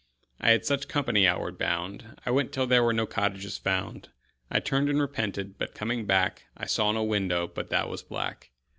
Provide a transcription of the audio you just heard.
I had such company outward bound. I went till there were no cottages found. I turned and repented, but coming back I saw no window but that was black.